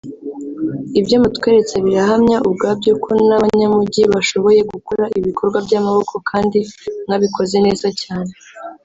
Ibyo mutweretse birahamya ubwabyo ko n’abanyamujyi bashoboye gukora ibikorwa by’amaboko kandi mwabikoze neza cyane